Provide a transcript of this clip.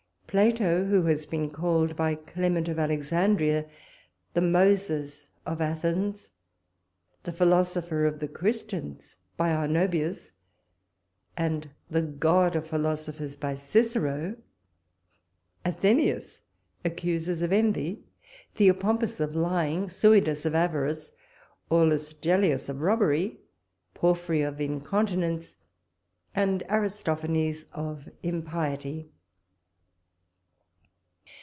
Plato who has been called, by Clement of Alexandria, the Moses of Athens; the philosopher of the Christians, by Arnobius; and the god of philosophers, by Cicero Athenæus accuses of envy; Theopompus of lying; Suidas of avarice; Aulus Gellius, of robbery; Porphyry, of incontinence; and Aristophanes, of impiety.